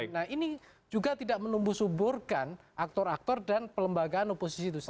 nah ini juga tidak menumbuh suburkan aktor aktor dan pelembagaan oposisi itu sendiri